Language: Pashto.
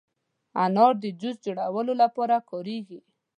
انار د جوس جوړولو لپاره کارېږي.